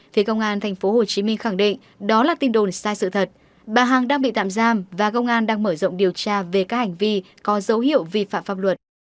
phía công an tp hcm khẳng định đó là tin đồn sai sự thật bà hằng đang bị tạm giam và công an đang mở rộng điều tra về các hành vi có dấu hiệu vi phạm pháp luật